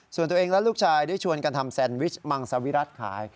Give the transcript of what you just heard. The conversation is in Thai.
ส่วนตัวเองและลูกชายได้ชวนกันทำแซนวิชมังสวิรัติขาย